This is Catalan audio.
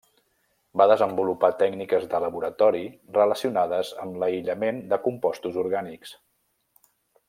Va desenvolupar tècniques de laboratori relacionades amb l'aïllament de compostos orgànics.